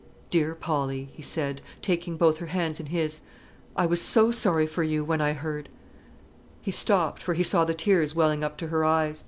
"Dear Polly," he said, taking both her hands in his, "I was so sorry for you, when I heard " He stopped, for he saw the tears welling up to her eyes.